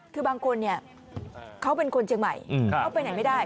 คือบางคนเนี่ยเขาเป็นคนเชียงใหม่เขาไปไหนไม่ได้